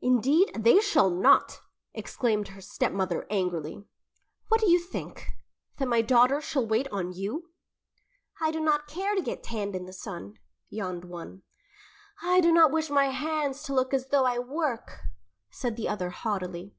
"Indeed, they shall not!" exclaimed her stepmother angrily. "What do you think that my daughters shall wait on you?" "I do not care to get tanned in the sun," yawned one. "I do not wish my hands to look as though I work," said the other haughtily.